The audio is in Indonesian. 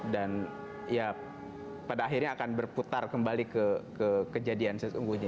dan ya pada akhirnya akan berputar kembali ke kejadian sesungguhnya